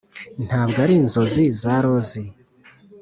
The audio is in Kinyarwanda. ntabwo ari inzozi za rozi